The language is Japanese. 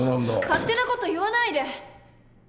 勝手な事言わないで！